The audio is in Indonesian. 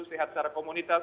sehat secara komunitas